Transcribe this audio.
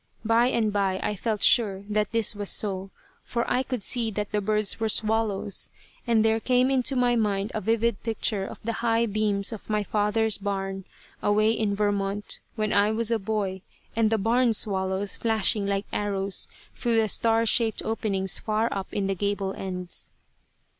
By and by I felt sure that this was so, for I could see that the birds were swallows, and there came into my mind a vivid picture of the high beams of my father's barn, away in Vermont, when I was a boy, and the barn swallows flashing like arrows through the star shaped openings far up in the gable ends.